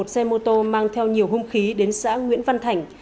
một mươi một xe mô tô mang theo nhiều hung khí đến xã nguyễn văn thảnh